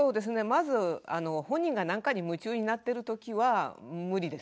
まず本人が何かに夢中になってるときは無理ですよね。